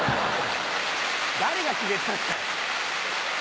誰が決めたんだよ。